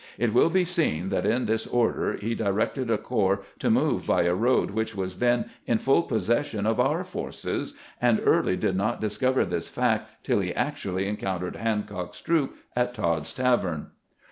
It wUl be seen that in this order he directed a corps to move by a road which was then in full possession of our forces, and Early did not discover this fact till he actually encoun tered Hancock's troops at Todd's tavern.